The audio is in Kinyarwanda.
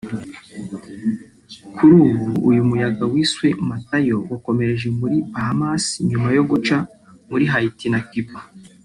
Kuri ubu uyu muyaga wiswe Matayo wakomereje muri Bahamas nyuma yo guca muri Haiti na Cuba